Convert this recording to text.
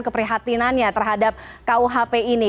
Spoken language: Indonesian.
keprihatinannya terhadap kuhp ini